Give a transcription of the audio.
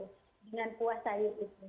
dengan kuah sayur itu